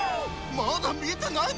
まだ見てないの！？